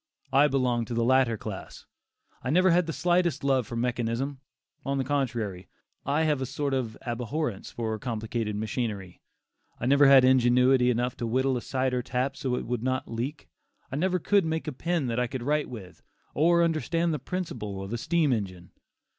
I belong to the latter class; I never had the slightest love for mechanism; on the contrary, I have a sort of abhorrence for complicated machinery. I never had ingenuity enough to whittle a cider tap so it would not leak. I never could make a pen that I could write with, or understand the principle of a steam engine.